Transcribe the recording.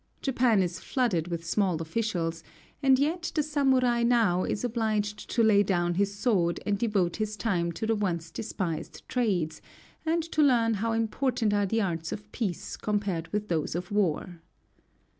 Japan is flooded with small officials, and yet the samurai now is obliged to lay down his sword and devote his time to the once despised trades, and to learn how important are the arts of peace compared with those of war.